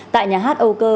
tại nhà hát âu cơ